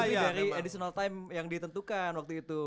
dari additional time yang ditentukan waktu itu